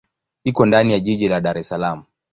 Iko ndani ya jiji la Dar es Salaam.